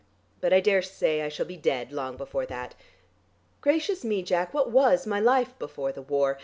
But I daresay I shall be dead long before that. Gracious me, Jack, what was my life before the war?